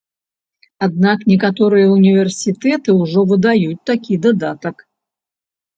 Аднак некаторыя ўніверсітэты ўжо выдаюць такі дадатак.